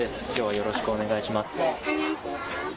よろしくお願いします。